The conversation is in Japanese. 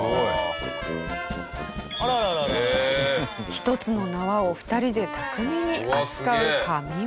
１つの縄を２人で巧みに扱う神ワザ。